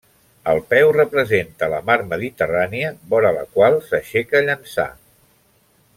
El peu representa la mar Mediterrània, vora la qual s'aixeca Llançà.